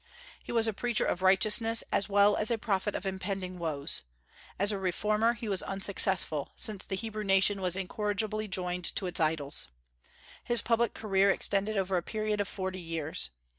He was a preacher of righteousness, as well as a prophet of impending woes. As a reformer he was unsuccessful, since the Hebrew nation was incorrigibly joined to its idols. His public career extended over a period of forty years.